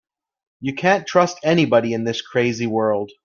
You can't trust anybody in this crazy world.